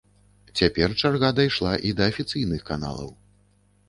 Цяпер чарга дайшла і да афіцыйных каналаў.